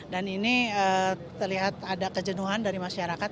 dan ini terlihat ada kejenuhan dari masyarakat